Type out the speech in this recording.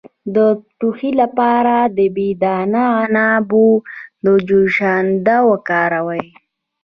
د ټوخي لپاره د بې دانه عنابو جوشانده وکاروئ